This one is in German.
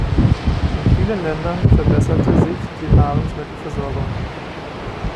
In vielen Ländern verbesserte sich die Nahrungsmittelversorgung.